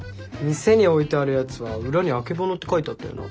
店に置いてあるやつは裏に「曙」って書いてあったよな？